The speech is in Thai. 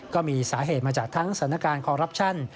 ก็มีสาเหตุมาจากทั้งสถานการณ์คอรัปชั่น